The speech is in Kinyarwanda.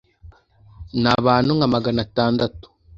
N abantu nka magana atandatu